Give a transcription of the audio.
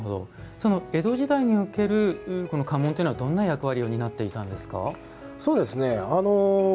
江戸時代における家紋というのは、どんな役割を担っていたんですか？